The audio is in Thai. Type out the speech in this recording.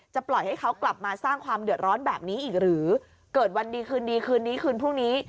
ปล่อยให้เขากลับมาสร้างความเดือดร้อนแบบนี้อีกหรือเกิดวันดีคืนดีคืนนี้คืนพรุ่งนี้